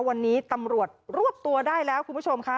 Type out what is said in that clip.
วันนี้ตำรวจรวบตัวได้แล้วคุณผู้ชมค่ะ